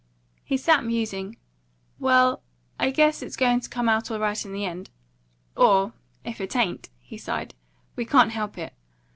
He sat musing. "Well, I guess it's going to come out all right in the end. Or, if it ain't," he sighed, "we can't help it.